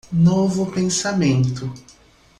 Novo pensamento